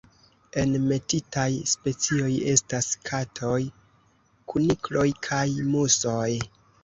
Enmetitaj specioj estas katoj, kunikloj kaj musoj.